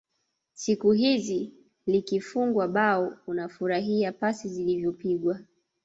siku hizi likifungwa bao unafurahia pasi zilivyopigwa